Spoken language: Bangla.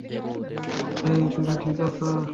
হেই, তুমি ঠিক আছো?